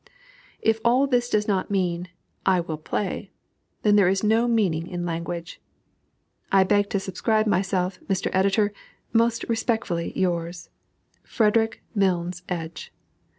If all this do not mean "I will play," then is there no meaning in language. I beg to subscribe myself, Mr. Editor, most respectfully yours, FREDERICK MILNS EDGE.